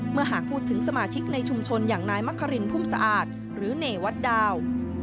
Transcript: หากพูดถึงสมาชิกในชุมชนอย่างนายมะครินพุ่มสะอาดหรือเนวัดดาว